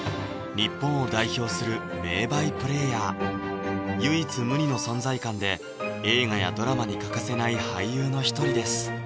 日本を代表する名バイプレーヤー唯一無二の存在感で映画やドラマに欠かせない俳優の一人です